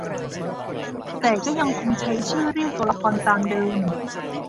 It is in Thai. แต่ก็ยังคงใช้ชื่อเรียกตัวละครตามเดิม